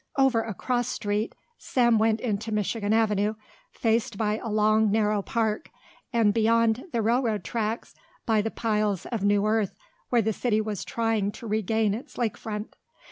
Over a cross street Sam went into Michigan Avenue, faced by a long narrow park and beyond the railroad tracks by the piles of new earth where the city was trying to regain its lake front.